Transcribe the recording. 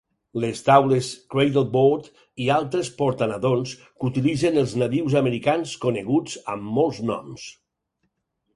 Les taules "cradleboard" i altres portanadons que utilitzen els nadius americans, coneguts amb molts noms.